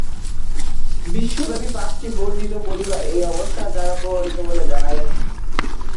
বিশ্বব্যাপী পাঁচটি বর্ধিত পরিবার এই অবস্থার দ্বারা প্রভাবিত বলে জানা গেছে।